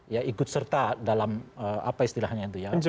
ya ikut serta dalam apa istilahnya itu ya